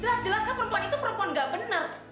jelas jelas kok perempuan itu perempuan gak benar